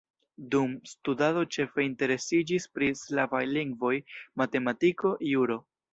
Dum studado ĉefe interesiĝis pri slavaj lingvoj, matematiko, juro.